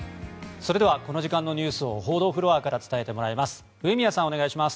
それではこの時間のニュースを報道フロアから伝えてもらいます上宮さん、お願いします。